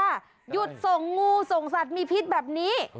หยุดส่งงูส่งสัตว์มีพิษแบบนี้